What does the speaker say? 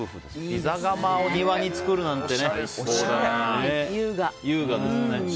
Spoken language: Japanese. ピザ窯を庭に作るなんて優雅ですね。